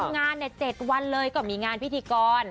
งาน๗วันเลยก็มีงานพิธีกร